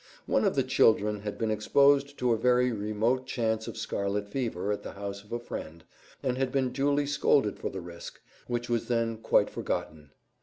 One of the children had been exposed to a very remote chance of scarlet fever at the house of a friend, and had been duly scolded for the risk, which was then quite forgotten.